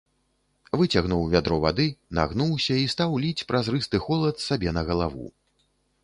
Выцягнуў вядро вады, нагнуўся і стаў ліць празрысты холад сабе на галаву.